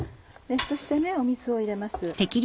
そして水を入れます。